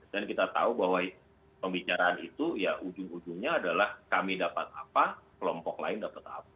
dan kita tahu bahwa pembicaraan itu ya ujung ujungnya adalah kami dapat apa kelompok lain dapat apa